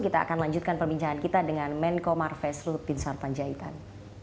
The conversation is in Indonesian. kita akan lanjutkan perbincangan kita dengan menko marves lutbinsar panjaitan